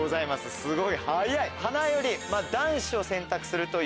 すごい！